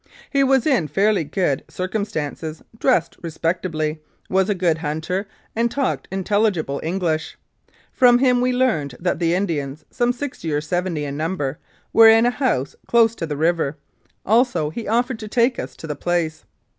He was in fairly good circum stances, dressed respectably, was a good hunter, and talked intelligible English. From him we learned that the Indians, some sixty or seventy in number, were in a house close to the river; also he offered to take us to the place.